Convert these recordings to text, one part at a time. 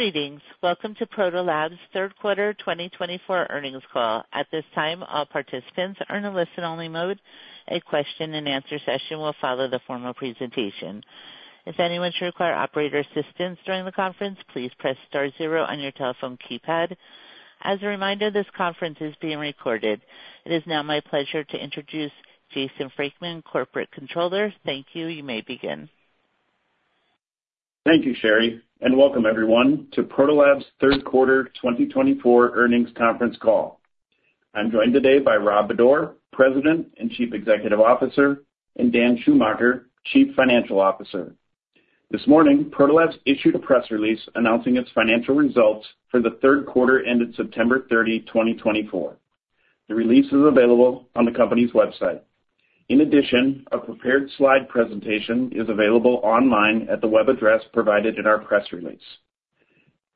Greetings. Welcome to Protolabs' third quarter 2024 earnings call. At this time, all participants are in a listen-only mode. A question-and-answer session will follow the formal presentation. If anyone should require operator assistance during the conference, please press star zero on your telephone keypad. As a reminder, this conference is being recorded. It is now my pleasure to introduce Jason Frankman, Corporate Controller. Thank you. You may begin. Thank you, Sherry, and welcome, everyone, to Protolabs' third quarter 2024 earnings conference call. I'm joined today by Rob Bodor, President and Chief Executive Officer, and Dan Schumacher, Chief Financial Officer. This morning, Protolabs issued a press release announcing its financial results for the third quarter ended September 30, 2024. The release is available on the company's website. In addition, a prepared slide presentation is available online at the web address provided in our press release.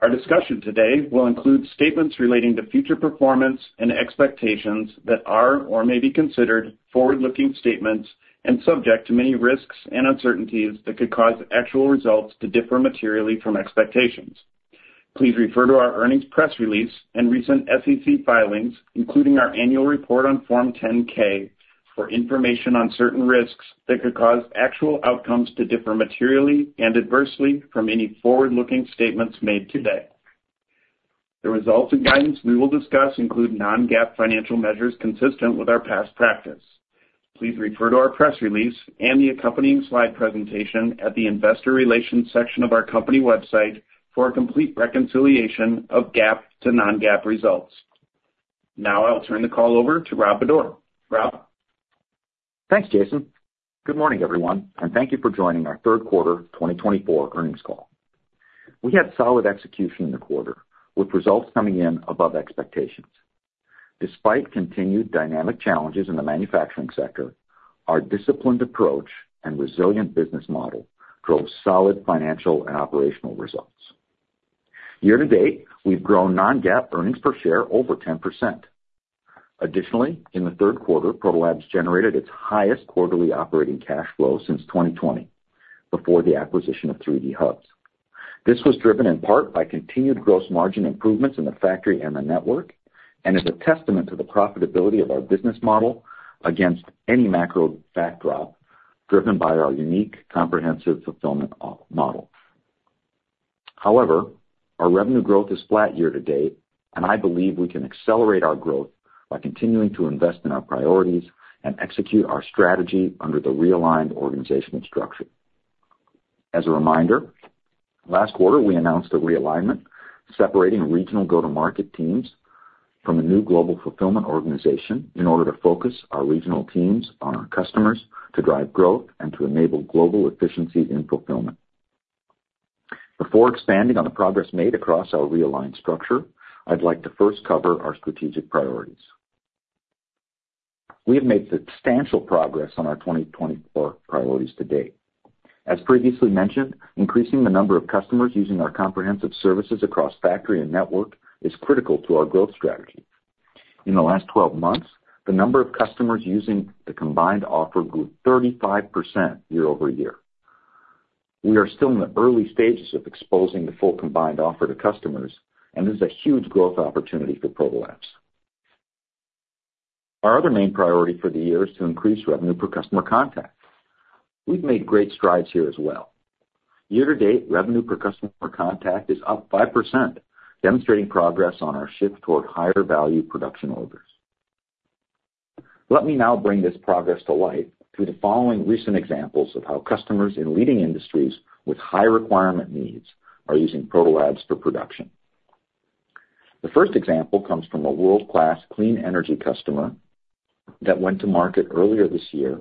Our discussion today will include statements relating to future performance and expectations that are or may be considered forward-looking statements and subject to many risks and uncertainties that could cause actual results to differ materially from expectations. Please refer to our earnings press release and recent SEC filings, including our annual report on Form 10-K, for information on certain risks that could cause actual outcomes to differ materially and adversely from any forward-looking statements made today. The results and guidance we will discuss include non-GAAP financial measures consistent with our past practice. Please refer to our press release and the accompanying slide presentation at the Investor Relations section of our company website for a complete reconciliation of GAAP to non-GAAP results. Now, I'll turn the call over to Rob Bodor. Rob? Thanks, Jason. Good morning, everyone, and thank you for joining our third quarter 2024 earnings call. We had solid execution in the quarter, with results coming in above expectations. Despite continued dynamic challenges in the manufacturing sector, our disciplined approach and resilient business model drove solid financial and operational results. Year to date, we've grown non-GAAP earnings per share over 10%. Additionally, in the third quarter, Protolabs generated its highest quarterly operating cash flow since 2020, before the acquisition of 3D Hubs. This was driven in part by continued gross margin improvements in the factory and the network, and is a testament to the profitability of our business model against any macro backdrop driven by our unique comprehensive fulfillment model. However, our revenue growth is flat year to date, and I believe we can accelerate our growth by continuing to invest in our priorities and execute our strategy under the realigned organizational structure. As a reminder, last quarter, we announced a realignment separating regional go-to-market teams from a new global fulfillment organization in order to focus our regional teams on our customers to drive growth and to enable global efficiency in fulfillment. Before expanding on the progress made across our realigned structure, I'd like to first cover our strategic priorities. We have made substantial progress on our 2024 priorities to date. As previously mentioned, increasing the number of customers using our comprehensive services across factory and network is critical to our growth strategy. In the last 12 months, the number of customers using the combined offer grew 35% year-over-year. We are still in the early stages of exposing the full combined offer to customers, and this is a huge growth opportunity for Protolabs. Our other main priority for the year is to increase revenue per customer contact. We've made great strides here as well. Year-to-date, revenue per customer contact is up 5%, demonstrating progress on our shift toward higher value production orders. Let me now bring this progress to life through the following recent examples of how customers in leading industries with high requirement needs are using Protolabs for production. The first example comes from a world-class clean energy customer that went to market earlier this year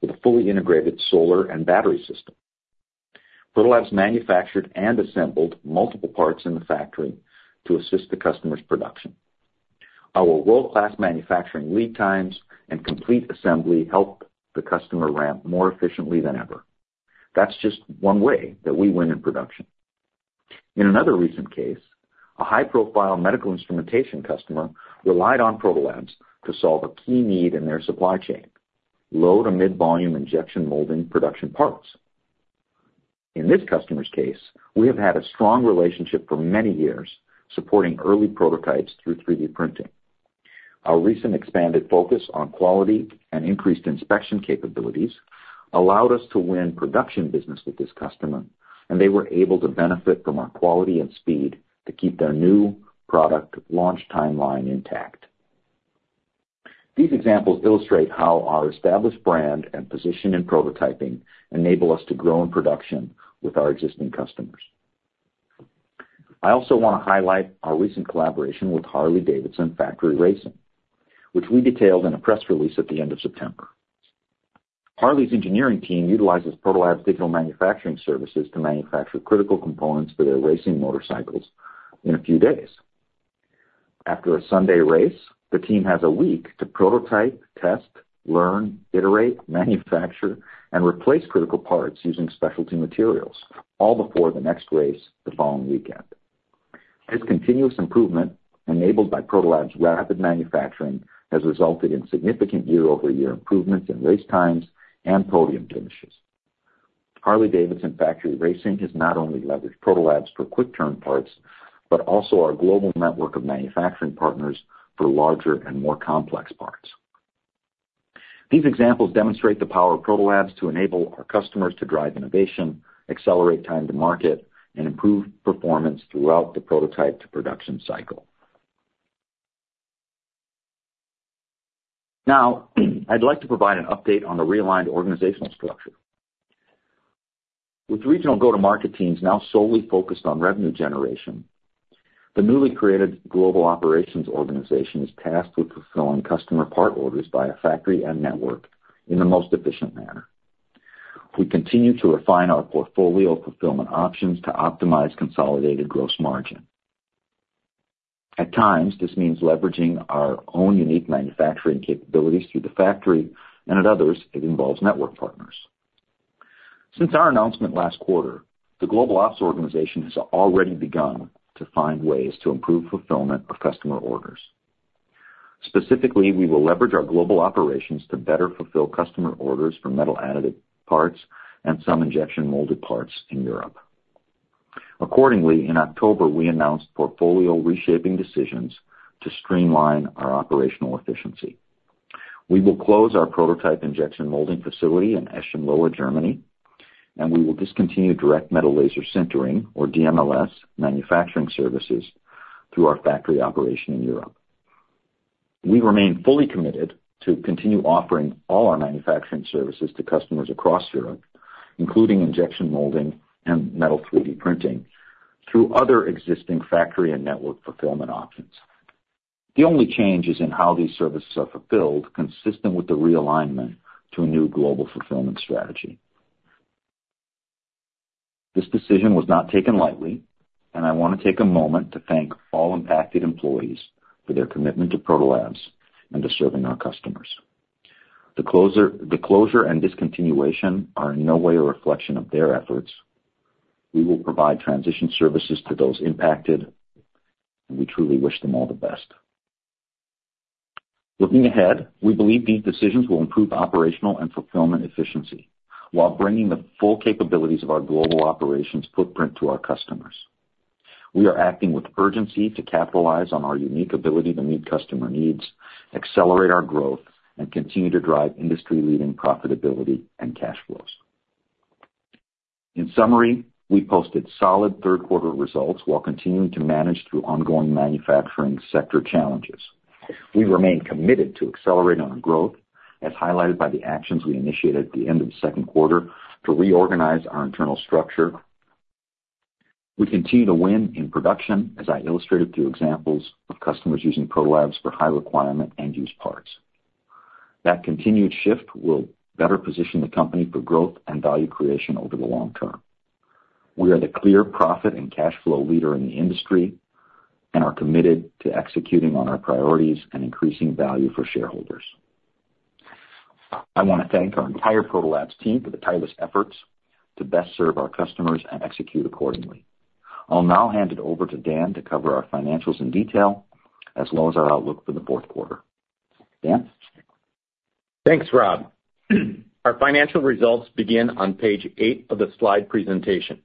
with a fully integrated solar and battery system. Protolabs manufactured and assembled multiple parts in the factory to assist the customer's production. Our world-class manufacturing lead times and complete assembly helped the customer ramp more efficiently than ever. That's just one way that we win in production. In another recent case, a high-profile medical instrumentation customer relied on Protolabs to solve a key need in their supply chain: low to mid-volume injection molding production parts. In this customer's case, we have had a strong relationship for many years, supporting early prototypes through 3D printing. Our recent expanded focus on quality and increased inspection capabilities allowed us to win production business with this customer, and they were able to benefit from our quality and speed to keep their new product launch timeline intact. These examples illustrate how our established brand and position in prototyping enable us to grow in production with our existing customers. I also want to highlight our recent collaboration with Harley-Davidson Factory Racing, which we detailed in a press release at the end of September. Harley's engineering team utilizes Protolabs' digital manufacturing services to manufacture critical components for their racing motorcycles in a few days. After a Sunday race, the team has a week to prototype, test, learn, iterate, manufacture, and replace critical parts using specialty materials, all before the next race the following weekend. This continuous improvement, enabled by Protolabs' rapid manufacturing, has resulted in significant year-over-year improvements in race times and podium finishes. Harley-Davidson Factory Racing has not only leveraged Protolabs for quick-turn parts but also our global network of manufacturing partners for larger and more complex parts. These examples demonstrate the power of Protolabs to enable our customers to drive innovation, accelerate time to market, and improve performance throughout the prototype-to-production cycle. Now, I'd like to provide an update on the realigned organizational structure. With regional go-to-market teams now solely focused on revenue generation, the newly created global operations organization is tasked with fulfilling customer part orders by a factory and network in the most efficient manner. We continue to refine our portfolio of fulfillment options to optimize consolidated gross margin. At times, this means leveraging our own unique manufacturing capabilities through the factory, and at others, it involves network partners. Since our announcement last quarter, the global ops organization has already begun to find ways to improve fulfillment of customer orders. Specifically, we will leverage our global operations to better fulfill customer orders for metal-additive parts and some injection molded parts in Europe. Accordingly, in October, we announced portfolio reshaping decisions to streamline our operational efficiency. We will close our prototype injection molding facility in Eschenlohe, Germany, and we will discontinue direct metal laser sintering, or DMLS, manufacturing services through our factory operation in Europe. We remain fully committed to continue offering all our manufacturing services to customers across Europe, including injection molding and metal 3D printing, through other existing factory and network fulfillment options. The only change is in how these services are fulfilled, consistent with the realignment to a new global fulfillment strategy. This decision was not taken lightly, and I want to take a moment to thank all impacted employees for their commitment to Protolabs and to serving our customers. The closure and discontinuation are in no way a reflection of their efforts. We will provide transition services to those impacted, and we truly wish them all the best. Looking ahead, we believe these decisions will improve operational and fulfillment efficiency while bringing the full capabilities of our global operations footprint to our customers. We are acting with urgency to capitalize on our unique ability to meet customer needs, accelerate our growth, and continue to drive industry-leading profitability and cash flows. In summary, we posted solid third-quarter results while continuing to manage through ongoing manufacturing sector challenges. We remain committed to accelerating our growth, as highlighted by the actions we initiated at the end of the second quarter to reorganize our internal structure. We continue to win in production, as I illustrated through examples of customers using Protolabs for high-requirement end-use parts. That continued shift will better position the company for growth and value creation over the long term. We are the clear profit and cash flow leader in the industry and are committed to executing on our priorities and increasing value for shareholders. I want to thank our entire Protolabs team for the tireless efforts to best serve our customers and execute accordingly. I'll now hand it over to Dan to cover our financials in detail, as well as our outlook for the fourth quarter. Dan? Thanks, Rob. Our financial results begin on page eight of the slide presentation.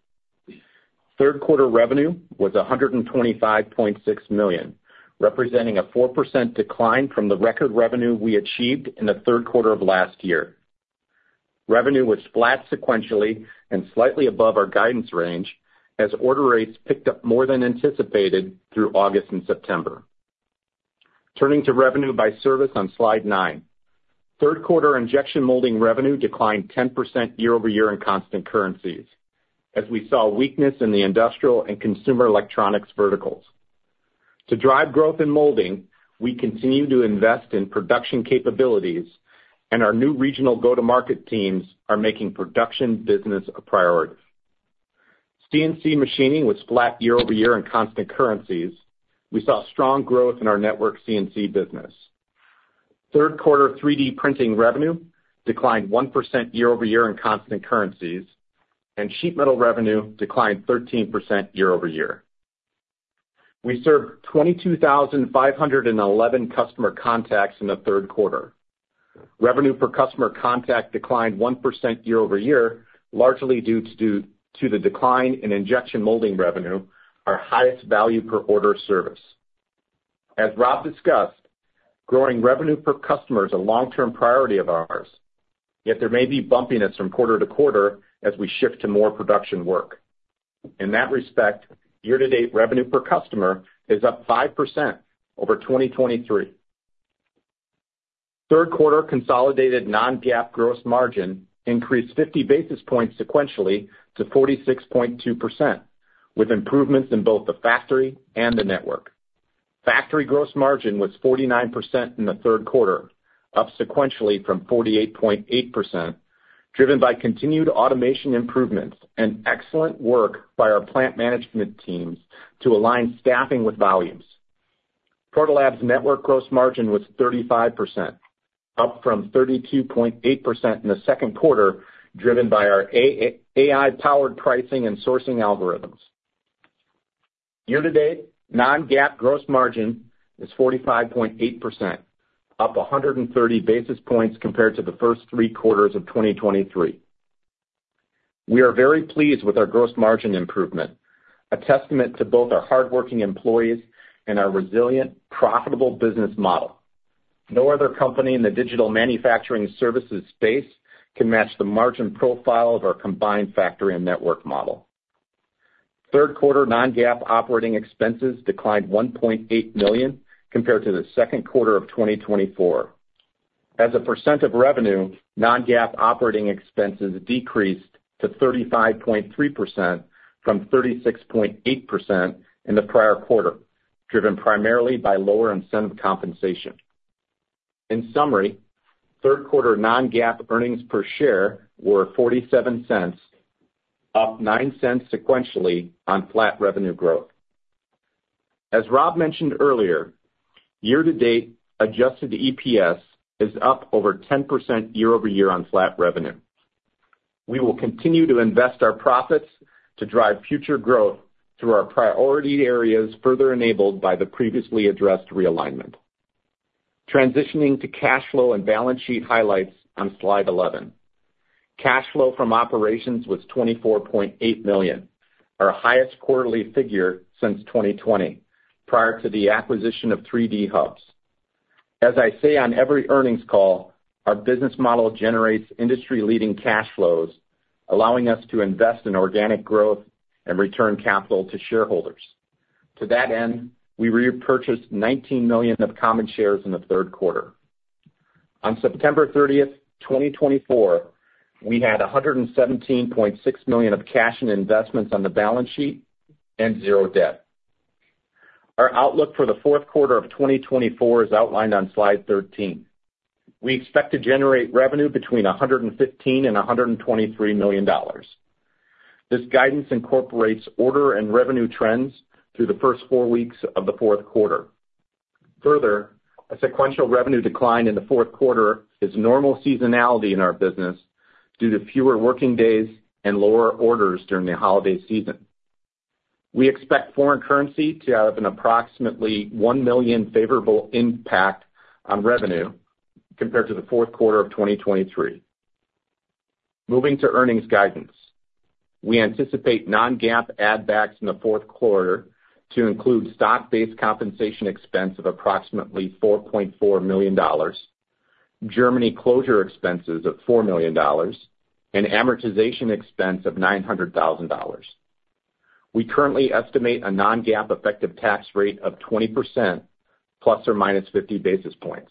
Third-quarter revenue was $125.6 million, representing a 4% decline from the record revenue we achieved in the third quarter of last year. Revenue was flat sequentially and slightly above our guidance range as order rates picked up more than anticipated through August and September. Turning to revenue by service on slide nine, third-quarter injection molding revenue declined 10% year-over-year in constant currencies, as we saw weakness in the industrial and consumer electronics verticals. To drive growth in molding, we continue to invest in production capabilities, and our new regional go-to-market teams are making production business a priority. CNC machining was flat year-over-year in constant currencies. We saw strong growth in our network CNC business. Third-quarter 3D printing revenue declined 1% year-over-year in constant currencies, and sheet metal revenue declined 13% year-over-year. We served 22,511 customer contacts in the third quarter. Revenue per customer contact declined 1% year-over-year, largely due to the decline in injection molding revenue, our highest value per order service. As Rob discussed, growing revenue per customer is a long-term priority of ours, yet there may be bumpiness from quarter to quarter as we shift to more production work. In that respect, year-to-date revenue per customer is up 5% over 2023. Third-quarter consolidated non-GAAP gross margin increased 50 basis points sequentially to 46.2%, with improvements in both the factory and the network. Factory gross margin was 49% in the third quarter, up sequentially from 48.8%, driven by continued automation improvements and excellent work by our plant management teams to align staffing with volumes. Protolabs' network gross margin was 35%, up from 32.8% in the second quarter, driven by our AI-powered pricing and sourcing algorithms. Year-to-date, non-GAAP gross margin is 45.8%, up 130 basis points compared to the first three quarters of 2023. We are very pleased with our gross margin improvement, a testament to both our hardworking employees and our resilient, profitable business model. No other company in the digital manufacturing services space can match the margin profile of our combined factory and network model. Third-quarter non-GAAP operating expenses declined $1.8 million compared to the second quarter of 2024. As a percent of revenue, non-GAAP operating expenses decreased to 35.3% from 36.8% in the prior quarter, driven primarily by lower incentive compensation. In summary, third-quarter non-GAAP earnings per share were $0.47, up $0.09 sequentially on flat revenue growth. As Rob mentioned earlier, year-to-date adjusted EPS is up over 10% year-over-year on flat revenue. We will continue to invest our profits to drive future growth through our priority areas further enabled by the previously addressed realignment. Transitioning to cash flow and balance sheet highlights on slide 11. Cash flow from operations was $24.8 million, our highest quarterly figure since 2020, prior to the acquisition of 3D Hubs. As I say on every earnings call, our business model generates industry-leading cash flows, allowing us to invest in organic growth and return capital to shareholders. To that end, we repurchased 19 million of common shares in the third quarter. On September 30, 2024, we had $117.6 million of cash and investments on the balance sheet and zero debt. Our outlook for the fourth quarter of 2024 is outlined on slide 13. We expect to generate revenue between $115 million and $123 million. This guidance incorporates order and revenue trends through the first four weeks of the fourth quarter. Further, a sequential revenue decline in the fourth quarter is normal seasonality in our business due to fewer working days and lower orders during the holiday season. We expect foreign currency to have an approximately $1 million favorable impact on revenue compared to the fourth quarter of 2023. Moving to earnings guidance, we anticipate non-GAAP add-backs in the fourth quarter to include stock-based compensation expense of approximately $4.4 million, Germany closure expenses of $4 million, and amortization expense of $900,000. We currently estimate a non-GAAP effective tax rate of 20%, ±50 basis points.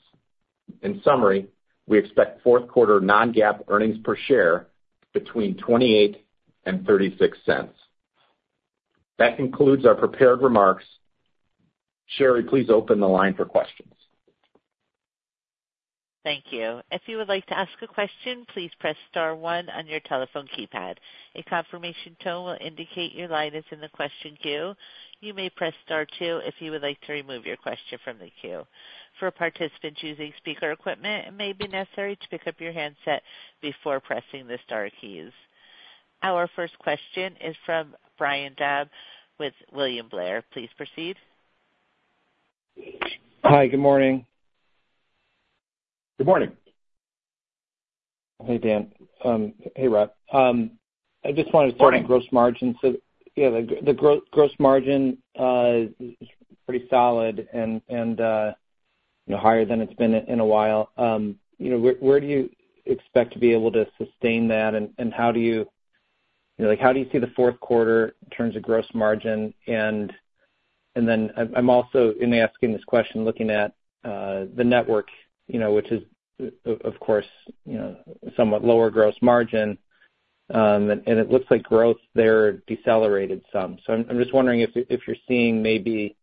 In summary, we expect fourth quarter non-GAAP earnings per share between $0.28-$0.36. That concludes our prepared remarks. Sherry, please open the line for questions. Thank you. If you would like to ask a question, please press star one on your telephone keypad. A confirmation tone will indicate your line is in the question queue. You may press star two if you would like to remove your question from the queue. For participants using speaker equipment, it may be necessary to pick up your handset before pressing the star keys. Our first question is from Brian Drab with William Blair. Please proceed. Hi, good morning. Good morning. Hey, Dan. Hey, Rob. I just wanted to. Morning. Talk about gross margins. Yeah, the gross margin is pretty solid and higher than it's been in a while. Where do you expect to be able to sustain that, and how do you see the fourth quarter in terms of gross margin? And then I'm also asking this question looking at the network, which is, of course, somewhat lower gross margin, and it looks like growth there decelerated some. So I'm just wondering if you're seeing maybe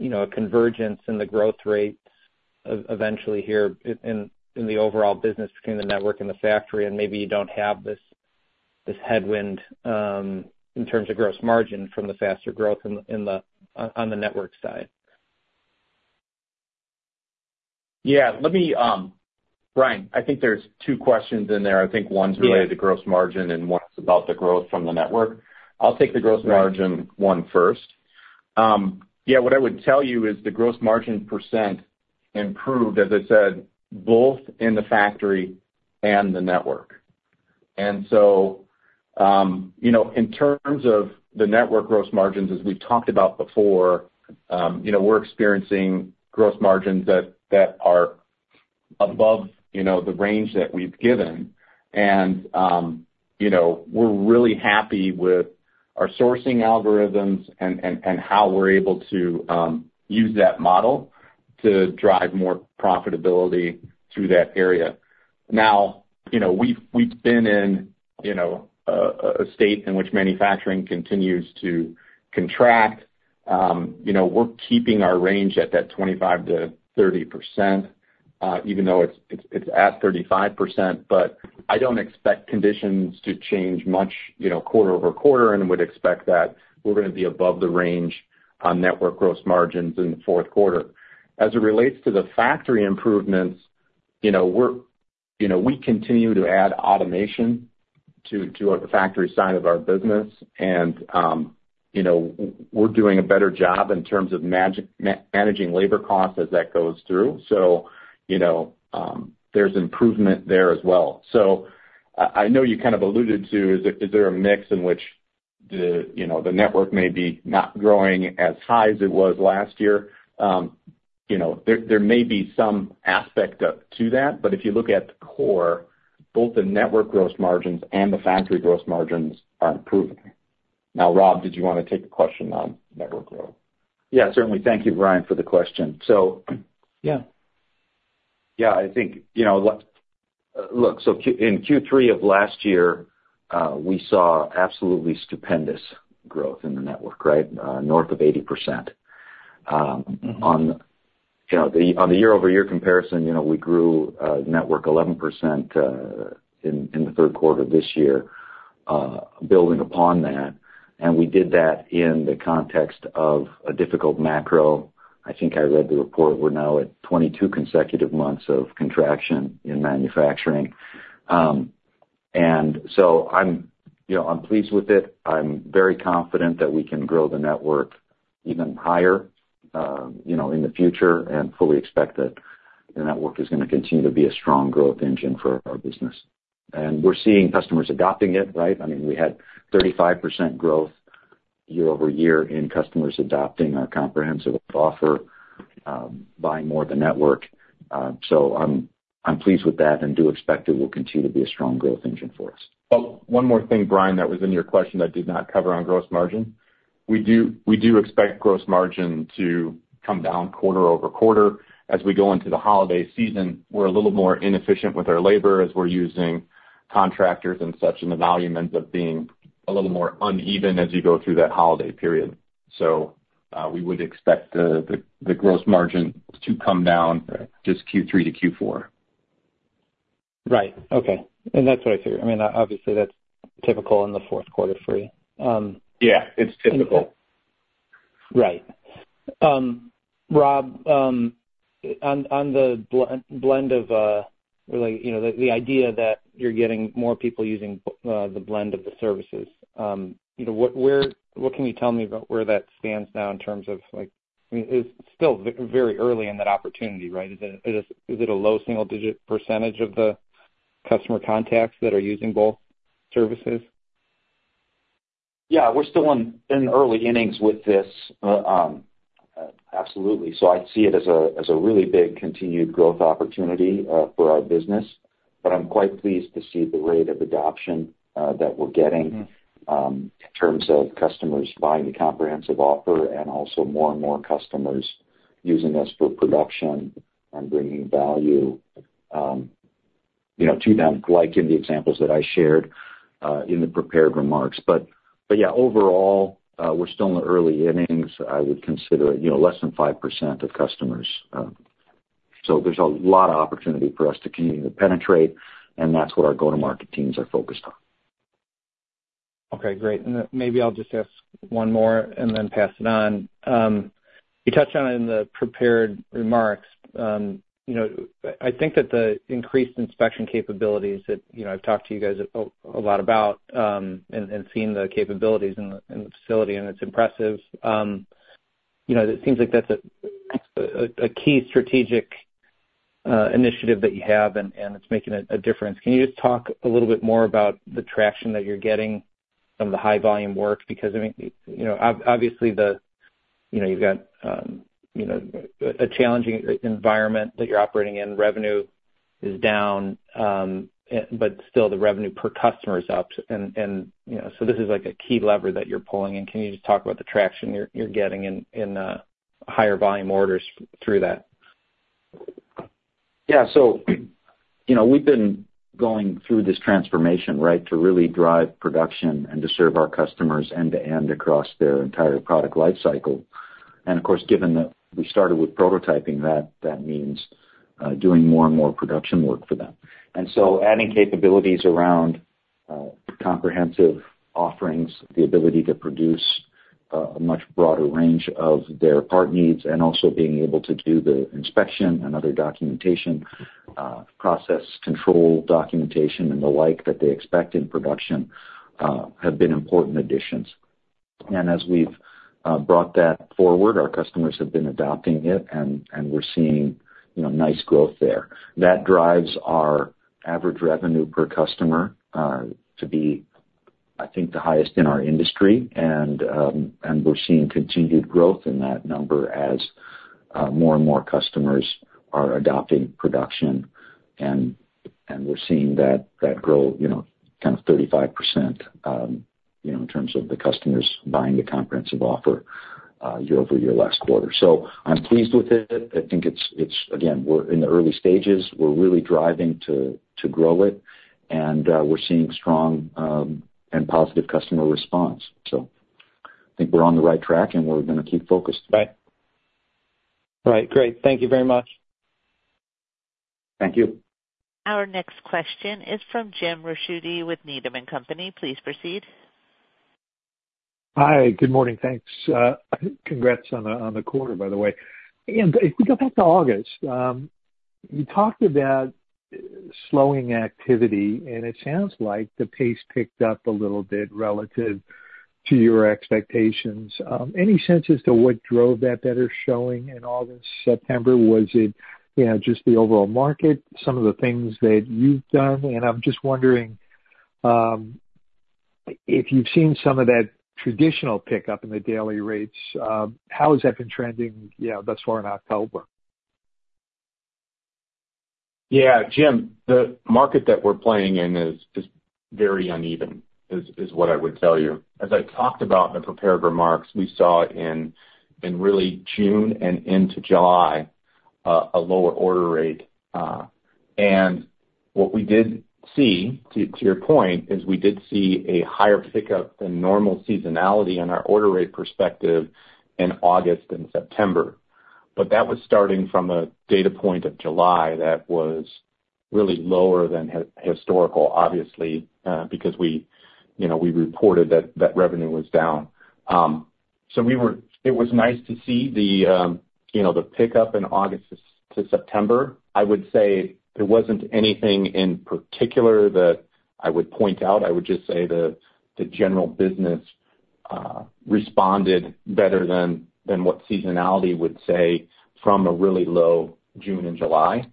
a convergence in the growth rates eventually here in the overall business between the network and the factory, and maybe you don't have this headwind in terms of gross margin from the faster growth on the network side. Yeah. Brian, I think there's two questions in there. I think one's related to gross margin, and one's about the growth from the network. I'll take the gross margin one first. Yeah, what I would tell you is the gross margin percentage improved, as I said, both in the factory and the network. And so in terms of the network gross margins, as we've talked about before, we're experiencing gross margins that are above the range that we've given, and we're really happy with our sourcing algorithms and how we're able to use that model to drive more profitability through that area. Now, we've been in a state in which manufacturing continues to contract. We're keeping our range at that 25%-30%, even though it's at 35%, but I don't expect conditions to change much quarter-over-quarter and would expect that we're going to be above the range on network gross margins in the fourth quarter. As it relates to the factory improvements, we continue to add automation to the factory side of our business, and we're doing a better job in terms of managing labor costs as that goes through. So there's improvement there as well. So I know you kind of alluded to, is there a mix in which the network may be not growing as high as it was last year? There may be some aspect to that, but if you look at the core, both the network gross margins and the factory gross margins are improving. Now, Rob, did you want to take the question on network growth? Yeah, certainly. Thank you, Brian, for the question. So. Yeah. Yeah, I think, look, so in Q3 of last year, we saw absolutely stupendous growth in the network, right, north of 80%. On the year-over-year comparison, we grew network 11% in the third quarter of this year, building upon that. And we did that in the context of a difficult macro. I think I read the report. We're now at 22 consecutive months of contraction in manufacturing. And so I'm pleased with it. I'm very confident that we can grow the network even higher in the future and fully expect that the network is going to continue to be a strong growth engine for our business. And we're seeing customers adopting it, right? I mean, we had 35% growth year-over-year in customers adopting our comprehensive offer, buying more of the network. So I'm pleased with that and do expect it will continue to be a strong growth engine for us. Well, one more thing, Brian, that was in your question that I did not cover on gross margin. We do expect gross margin to come down quarter-over-quarter. As we go into the holiday season, we're a little more inefficient with our labor as we're using contractors and such, and the volume ends up being a little more uneven as you go through that holiday period. So we would expect the gross margin to come down just Q3 to Q4. Right. Okay. And that's what I figured. I mean, obviously, that's typical in the fourth quarter for you. Yeah, it's typical. Right. Rob, on the blend of the idea that you're getting more people using the blend of the services, what can you tell me about where that stands now in terms of it's still very early in that opportunity, right? Is it a low single-digit percentage of the customer contacts that are using both services? Yeah, we're still in early innings with this, absolutely. So I see it as a really big continued growth opportunity for our business, but I'm quite pleased to see the rate of adoption that we're getting in terms of customers buying the comprehensive offer and also more and more customers using us for production and bringing value to them, like in the examples that I shared in the prepared remarks. But yeah, overall, we're still in the early innings. I would consider it less than 5% of customers. So there's a lot of opportunity for us to continue to penetrate, and that's what our go-to-market teams are focused on. Okay, great. And maybe I'll just ask one more and then pass it on. You touched on it in the prepared remarks. I think that the increased inspection capabilities that I've talked to you guys a lot about and seen the capabilities in the facility, and it's impressive. It seems like that's a key strategic initiative that you have, and it's making a difference. Can you just talk a little bit more about the traction that you're getting from the high-volume work? Because obviously, you've got a challenging environment that you're operating in. Revenue is down, but still the revenue per customer is up. And so this is a key lever that you're pulling. And can you just talk about the traction you're getting in higher volume orders through that? Yeah. So we've been going through this transformation, right, to really drive production and to serve our customers end to end across their entire product lifecycle. And of course, given that we started with prototyping, that means doing more and more production work for them. And so adding capabilities around comprehensive offerings, the ability to produce a much broader range of their part needs, and also being able to do the inspection and other documentation process, control documentation, and the like that they expect in production have been important additions. And as we've brought that forward, our customers have been adopting it, and we're seeing nice growth there. That drives our average revenue per customer to be, I think, the highest in our industry. And we're seeing continued growth in that number as more and more customers are adopting production, and we're seeing that grow kind of 35% in terms of the customers buying the comprehensive offer year-over-year last quarter. So I'm pleased with it. I think, again, we're in the early stages. We're really driving to grow it, and we're seeing strong and positive customer response. So I think we're on the right track, and we're going to keep focused. Right. Right. Great. Thank you very much. Thank you. Our next question is from Jim Ricchiuti with Needham & Company. Please proceed. Hi. Good morning. Thanks. Congrats on the quarter, by the way. And if we go back to August, you talked about slowing activity, and it sounds like the pace picked up a little bit relative to your expectations. Any sense as to what drove that better showing in August, September? Was it just the overall market, some of the things that you've done? And I'm just wondering if you've seen some of that traditional pickup in the daily rates, how has that been trending thus far in October? Yeah. Jim, the market that we're playing in is very uneven is what I would tell you. As I talked about in the prepared remarks, we saw in really June and into July a lower order rate. And what we did see, to your point, is we did see a higher pickup than normal seasonality on our order rate perspective in August and September. But that was starting from a data point of July that was really lower than historical, obviously, because we reported that revenue was down. So it was nice to see the pickup in August to September. I would say there wasn't anything in particular that I would point out. I would just say the general business responded better than what seasonality would say from a really low June and July.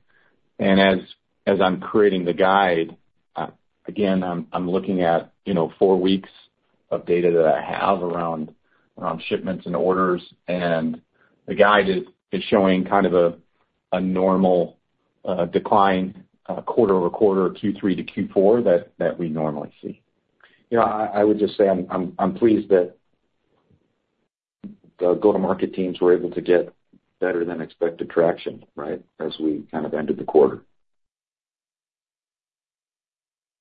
And as I'm creating the guide, again, I'm looking at four weeks of data that I have around shipments and orders, and the guide is showing kind of a normal decline quarter over quarter, Q3 to Q4 that we normally see. Yeah, I would just say I'm pleased that the go-to-market teams were able to get better-than-expected traction, right, as we kind of ended the quarter.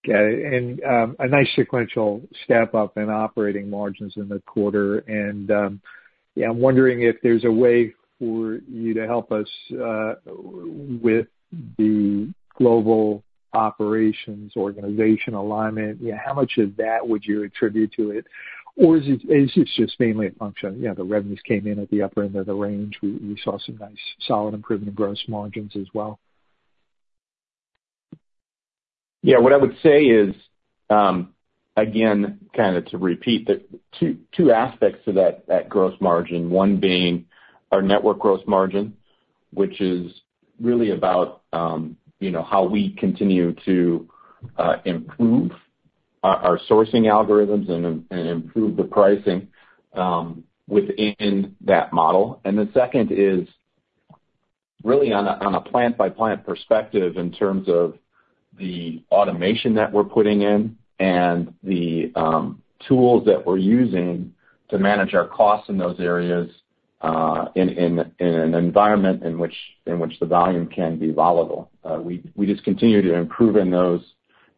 Got it. And a nice sequential step-up in operating margins in the quarter. And yeah, I'm wondering if there's a way for you to help us with the global operations organization alignment. How much of that would you attribute to it? Or is it just mainly a function of the revenues came in at the upper end of the range? We saw some nice solid improvement in gross margins as well. Yeah. What I would say is, again, kind of to repeat, two aspects to that gross margin, one being our network gross margin, which is really about how we continue to improve our sourcing algorithms and improve the pricing within that model. And the second is really on a plant-by-plant perspective in terms of the automation that we're putting in and the tools that we're using to manage our costs in those areas in an environment in which the volume can be volatile. We just continue to improve in those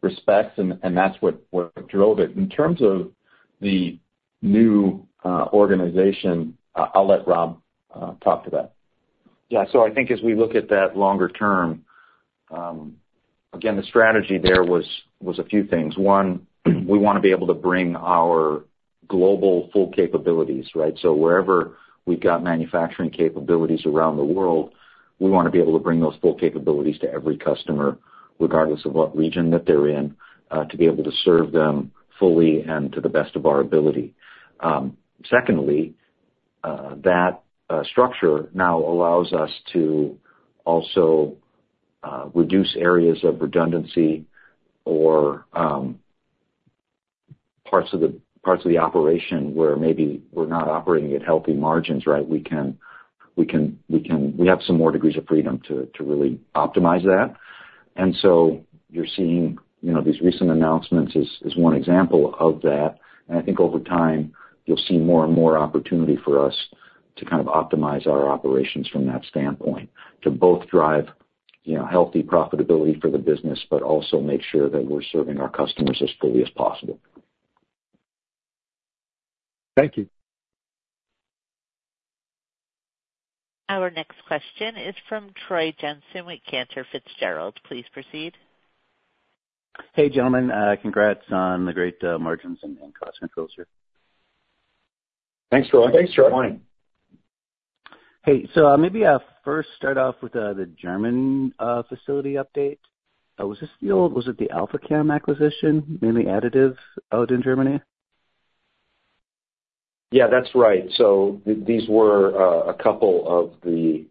respects, and that's what drove it. In terms of the new organization, I'll let Rob talk to that. Yeah. So I think as we look at that longer term, again, the strategy there was a few things. One, we want to be able to bring our global full capabilities, right? Wherever we've got manufacturing capabilities around the world, we want to be able to bring those full capabilities to every customer, regardless of what region that they're in, to be able to serve them fully and to the best of our ability. Secondly, that structure now allows us to also reduce areas of redundancy or parts of the operation where maybe we're not operating at healthy margins, right? We have some more degrees of freedom to really optimize that. So you're seeing these recent announcements is one example of that. I think over time, you'll see more and more opportunity for us to kind of optimize our operations from that standpoint to both drive healthy profitability for the business, but also make sure that we're serving our customers as fully as possible. Thank you. Our next question is from Troy Jensen with Cantor Fitzgerald. Please proceed. Hey, gentlemen. Congrats on the great margins and cost controls here. Thanks, Troy. Thanks for joining. Hey. So maybe I'll first start off with the German facility update. Was it the Alphaform acquisition, mainly additive out in Germany? Yeah, that's right, so these were a couple of the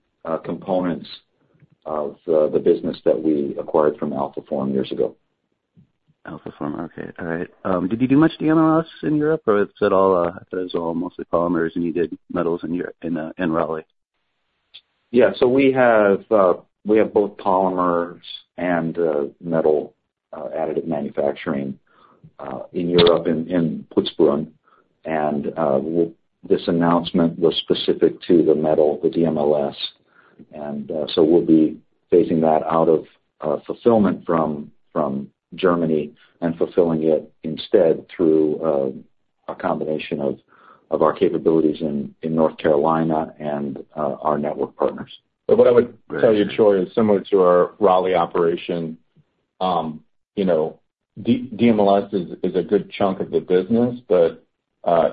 components of the business that we acquired from Alphaform years ago. Alphaform. Okay. All right. Did you do much DMLS in Europe, or is it all mostly polymers and you did metals in Raleigh? Yeah. So we have both polymers and metal additive manufacturing in Europe in Putzbrunn. And this announcement was specific to the metal, the DMLS. And so we'll be phasing that out of fulfillment from Germany and fulfilling it instead through a combination of our capabilities in North Carolina and our network partners. But what I would tell you, Troy, is similar to our Raleigh operation. DMLS is a good chunk of the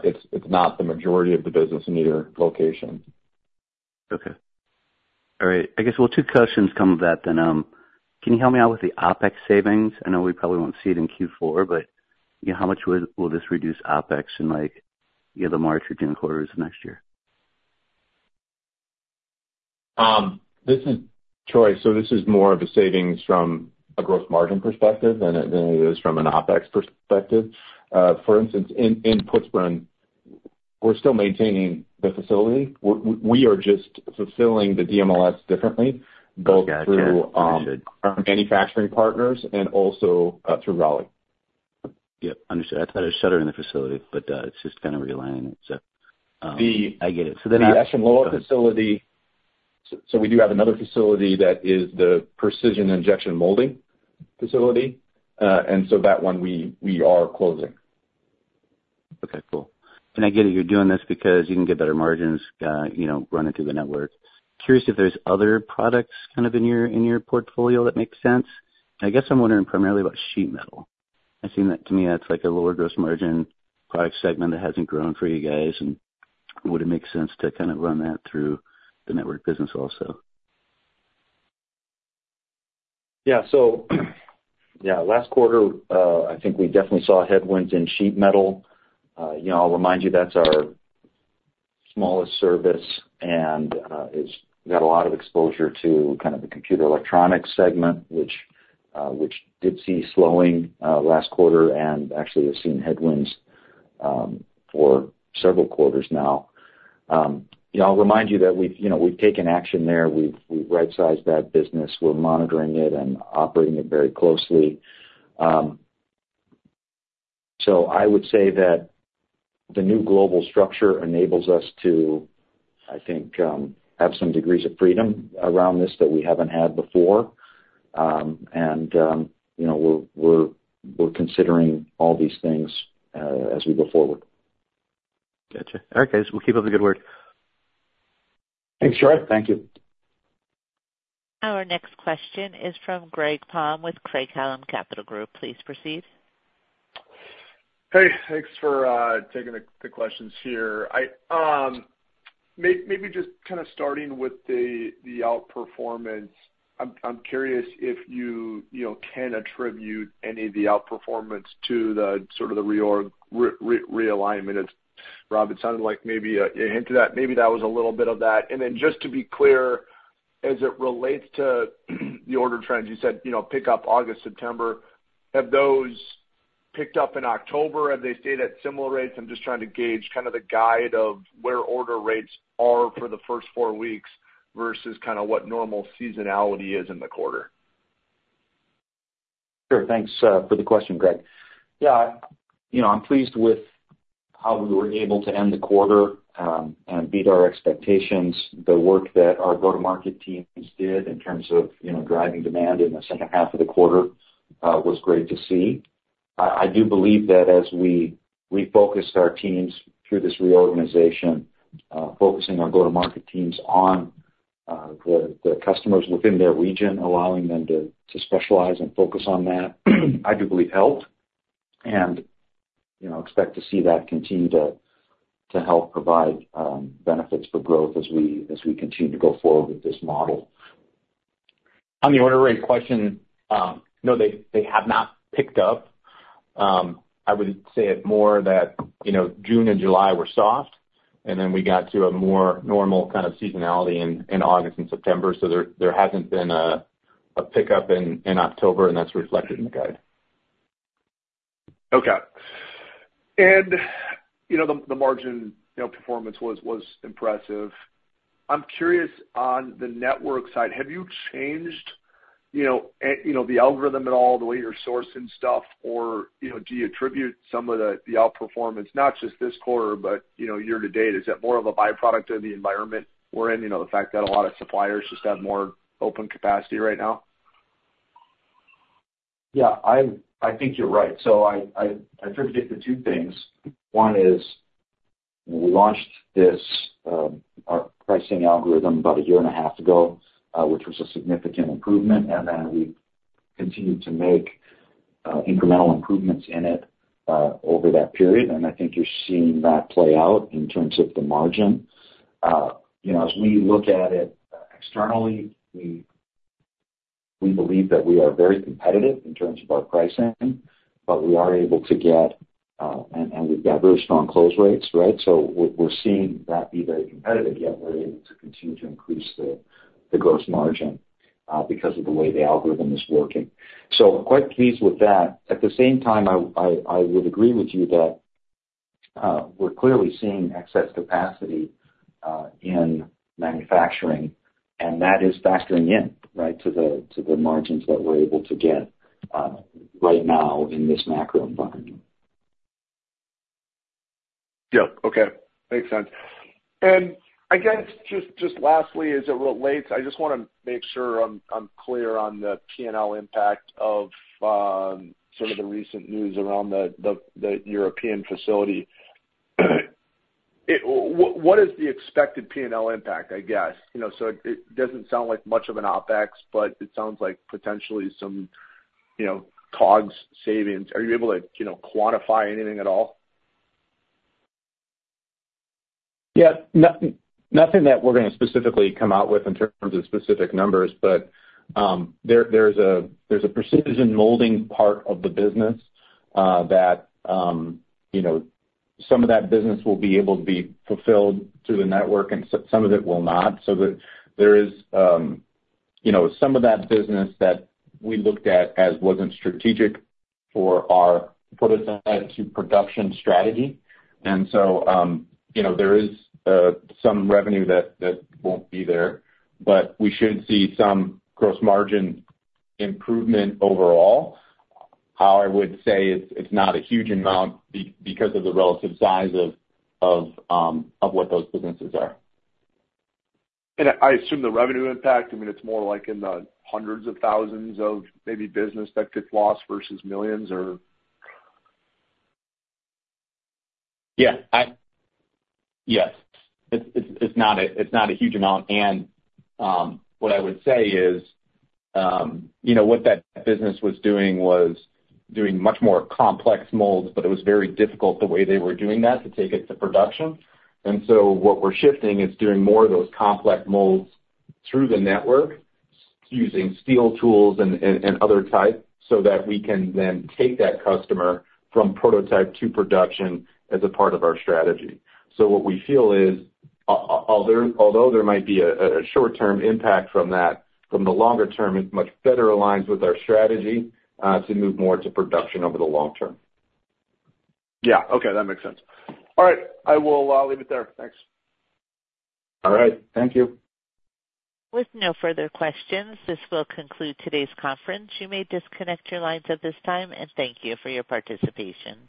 business, but it's not the majority of the business in either location. Okay. All right. I guess, well, two questions come of that then. Can you help me out with the OpEx savings? I know we probably won't see it in Q4, but how much will this reduce OpEx in the March or June quarters of next year? Troy, so this is more of a savings from a gross margin perspective than it is from an OpEx perspective. For instance, in Putzbrunn, we're still maintaining the facility. We are just fulfilling the DMLS differently, both through our manufacturing partners and also through Raleigh. Yep. Understood. I thought it was shuttering the facility, but it's just kind of realigning it, so. I get it. So then the actual lower facility, so we do have another facility that is the precision injection molding facility. And so that one, we are closing. Okay. Cool, and I get it. You're doing this because you can get better margins running through the network. Curious if there's other products kind of in your portfolio that make sense. I guess I'm wondering primarily about sheet metal. I see that to me that's like a lower gross margin product segment that hasn't grown for you guys, and would it make sense to kind of run that through the network business also? Yeah. So yeah, last quarter, I think we definitely saw headwinds in sheet metal. I'll remind you, that's our smallest service, and we've got a lot of exposure to kind of the computer electronics segment, which did see slowing last quarter and actually has seen headwinds for several quarters now. I'll remind you that we've taken action there. We've right-sized that business. We're monitoring it and operating it very closely. So I would say that the new global structure enables us to, I think, have some degrees of freedom around this that we haven't had before. And we're considering all these things as we go forward. Gotcha. All right, guys. We'll keep up the good work. Thanks, Troy. Thank you. Our next question is from Greg Palm with Craig-Hallum Capital Group. Please proceed. Hey. Thanks for taking the questions here. Maybe just kind of starting with the outperformance, I'm curious if you can attribute any of the outperformance to sort of the realignment. Rob, it sounded like maybe you hinted at maybe that was a little bit of that. And then just to be clear, as it relates to the order trends, you said pickup August, September. Have those picked up in October? Have they stayed at similar rates? I'm just trying to gauge kind of the guide of where order rates are for the first four weeks versus kind of what normal seasonality is in the quarter. Sure. Thanks for the question, Greg. Yeah. I'm pleased with how we were able to end the quarter and beat our expectations. The work that our go-to-market teams did in terms of driving demand in the second half of the quarter was great to see. I do believe that as we refocused our teams through this reorganization, focusing our go-to-market teams on the customers within their region, allowing them to specialize and focus on that, I do believe helped, and I expect to see that continue to help provide benefits for growth as we continue to go forward with this model. On the order rate question, no, they have not picked up. I would say it's more that June and July were soft, and then we got to a more normal kind of seasonality in August and September. So there hasn't been a pickup in October, and that's reflected in the guide. Okay. And the margin performance was impressive. I'm curious on the network side, have you changed the algorithm at all, the way you're sourcing stuff, or do you attribute some of the outperformance, not just this quarter, but year to date? Is that more of a byproduct of the environment we're in, the fact that a lot of suppliers just have more open capacity right now? Yeah. I think you're right. So I attribute it to two things. One is we launched our pricing algorithm about a year and a half ago, which was a significant improvement. And then we continued to make incremental improvements in it over that period. And I think you're seeing that play out in terms of the margin. As we look at it externally, we believe that we are very competitive in terms of our pricing, but we are able to get and we've got very strong close rates, right? So we're seeing that be very competitive, yet we're able to continue to increase the gross margin because of the way the algorithm is working. So quite pleased with that. At the same time, I would agree with you that we're clearly seeing excess capacity in manufacturing, and that is factoring in, right, to the margins that we're able to get right now in this macro environment. Yeah. Okay. Makes sense. And I guess just lastly, as it relates, I just want to make sure I'm clear on the P&L impact of sort of the recent news around the European facility. What is the expected P&L impact, I guess? So it doesn't sound like much of an OpEx, but it sounds like potentially some COGS savings. Are you able to quantify anything at all? Yeah. Nothing that we're going to specifically come out with in terms of specific numbers, but there's a precision molding part of the business that some of that business will be able to be fulfilled through the network, and some of it will not, so there is some of that business that we looked at as wasn't strategic for our prototype to production strategy, and so there is some revenue that won't be there, but we should see some gross margin improvement overall. I would say it's not a huge amount because of the relative size of what those businesses are. I assume the revenue impact, I mean, it's more like in the hundreds of thousands, maybe, of business that gets lost versus millions or? Yeah. Yes. It's not a huge amount. And what I would say is what that business was doing was doing much more complex molds, but it was very difficult the way they were doing that to take it to production. And so what we're shifting is doing more of those complex molds through the network using steel tools and other types so that we can then take that customer from prototype to production as a part of our strategy. So what we feel is, although there might be a short-term impact from that, from the longer term, it's much better aligned with our strategy to move more to production over the long term. Yeah. Okay. That makes sense. All right. I will leave it there. Thanks. All right. Thank you. With no further questions, this will conclude today's conference. You may disconnect your lines at this time, and thank you for your participation.